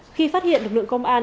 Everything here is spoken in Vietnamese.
khi phát hiện lực lượng công an